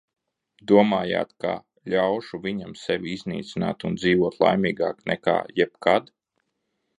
Domājāt, ka ļaušu viņam sevi iznīcināt un dzīvot laimīgāk nekā jebkad?